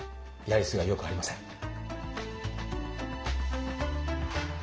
やり過ぎは良くありません。